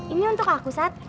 ini untuk aku sat